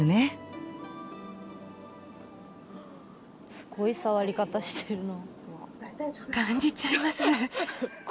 すごい触り方してるな。